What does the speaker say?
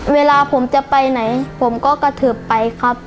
เวลาผมจะไปไหนผมก็กระทืบไปครับ